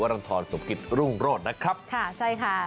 วัดละฐอนสมกิจรุ่งร่วดนะครับค่ะใช่ค่ะ